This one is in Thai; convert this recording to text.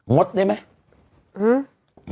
งดได้ไหม